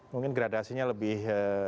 mungkin gradasinya lebih